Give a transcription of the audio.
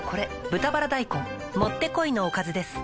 「豚バラ大根」もってこいのおかずです